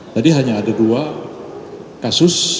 tadi hanya ada dua kasus